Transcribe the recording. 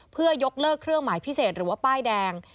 เพื่อยกเลิกเครื่องหมายพิเศษหรือว่าป้ายแดง